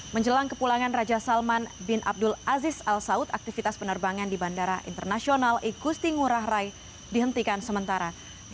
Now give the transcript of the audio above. menjelang kepulangan raja salman bin abdul aziz al saud aktivitas penerbangan di bandara internasional igusti ngurah rai dihentikan sementara